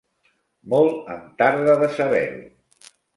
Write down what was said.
Molt em tarda de saber-ho.